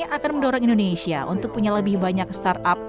akan mendorong indonesia untuk punya lebih banyak startup